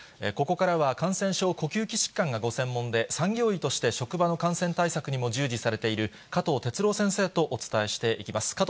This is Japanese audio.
ここからは、感染症、呼吸器疾患がご専門で、産業医として職場の感染対策にも従事されている加藤哲朗先生とお伝えしていきます。